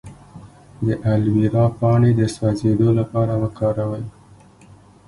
د الوویرا پاڼې د سوځیدو لپاره وکاروئ